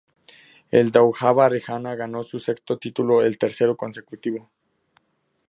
El Daugava Riga ganó su sexto título, el tercero consecutivo.